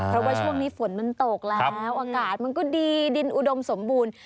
เพราะว่าช่วงนี้ฝนมันตกแล้วอากาศมันก็ดีดินอุดมสมบูรณ์